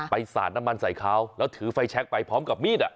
สาดน้ำมันใส่เขาแล้วถือไฟแชคไปพร้อมกับมีด